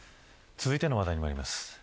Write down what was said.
続いての話題にまいります。